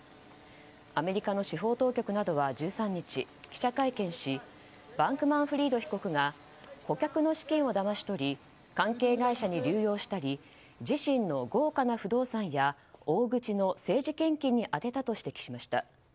アメリカの司法当局などは１３日記者会見しバンクマンフリード被告が顧客の資金をだまし取り関係会社に流用したり自身の豪華な不動産や大口の政治献金に充てたと指摘しました。